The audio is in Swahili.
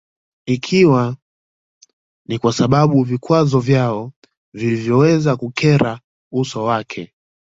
Ikiwa ni kwa sababu vikwazo vyao vilivyoweza kukera uso wake